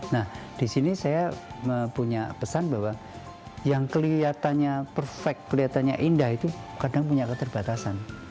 nah di sini saya punya pesan bahwa yang kelihatannya perfect kelihatannya indah itu kadang punya keterbatasan